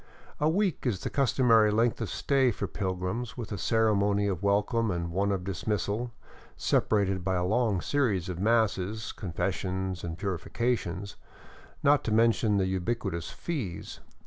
A week is the customary length of stay for pilgrims, with a ceremony of welcome and one of dismissal, separated by a long series of masses, confessions and purifications — not to mention the ubiquitous fees.